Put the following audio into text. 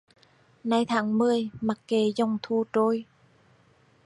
Nay tháng mười, mặc kệ dòng thu trôi